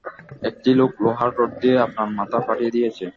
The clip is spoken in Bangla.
একটি লোক লোহার রড দিয়ে আপনার মাথা ফাটিয়ে দিয়েছে।